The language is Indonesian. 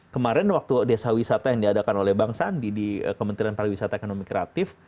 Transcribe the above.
kemarin waktu desa wisata yang diadakan oleh bang sandi di kementerian pariwisata ekonomi kreatif